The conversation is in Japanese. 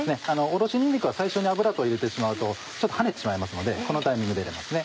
おろしにんにくは最初に油と入れてしまうとちょっとはねてしまいますのでこのタイミングで入れますね。